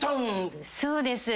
そうです。